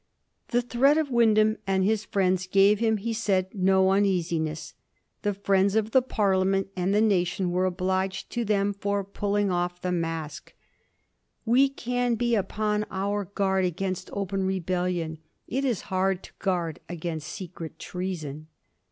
The threat of Wyndham and his friends gave him, he said, no uneasiness. The friends of the Parliament and the nation were obliged to them for pulling off the mask — "We can be upon our guard 174 A HISTORY OF THE FOUR GEORGES. ch. xxiii. against open rebellion ; it is hard to gaard against secret treason."